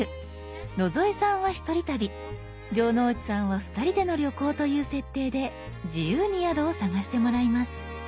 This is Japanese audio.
野添さんはひとり旅城之内さんはふたりでの旅行という設定で自由に宿を探してもらいます。